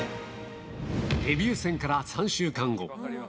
デビュー戦から３週間後。